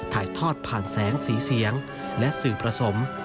ถ่ายทอดผ่านแสงสีเสียงและสื่อผสม